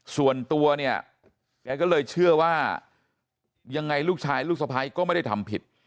ส่วนตัวเนี่ยแกก็เลยเชื่อว่ายังไงลูกชายลูกสะพ้ายก็ไม่ได้ทำผิด